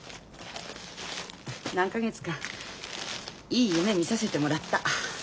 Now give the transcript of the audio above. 何か月かいい夢みさせてもらった。